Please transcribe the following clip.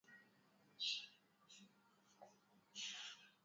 sauti ya Amerika kwa Kiswahili